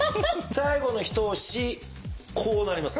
最後の一押しこうなります。